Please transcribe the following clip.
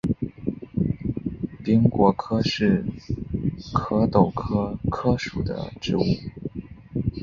柄果柯是壳斗科柯属的植物。